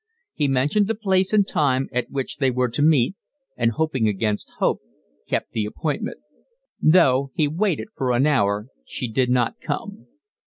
He mentioned the place and time at which they were to meet, and hoping against hope kept the appointment: though he waited for an hour she did not come.